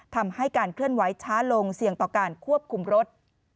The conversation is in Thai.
ทำให้การเคลื่อนไหวช้าลงเสี่ยงต่อการควบคุมรถ